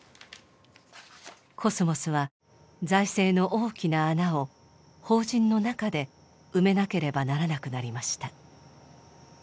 コスモスは財政の大きな穴を法人の中で埋めなければならなくなりました。